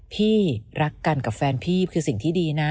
พี่รักกันกับแฟนพี่คือสิ่งที่ดีนะ